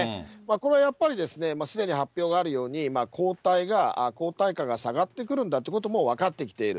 これはやっぱり、すでに発表があるように、抗体が、抗体価が下がってくるんだということも分かってきている。